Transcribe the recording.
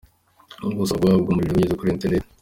Gusaba guhabwa umuriro binyuze kuri internet.